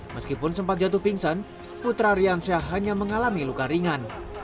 meskipun sempat jatuh pingsan putra riansyah hanya mengalami luka ringan